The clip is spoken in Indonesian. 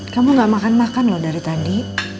kamu gak makan makan loh dari tadi